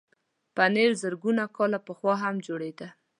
پنېر زرګونه کاله پخوا هم جوړېده.